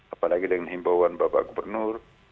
apalagi dengan himbauan bapak gubernur